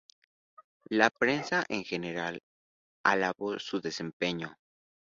La prensa en general alabó su desempeño.